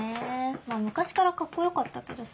まぁ昔からカッコよかったけどさ。